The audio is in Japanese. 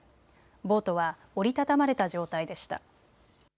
ボートは折り畳まれた状態でした。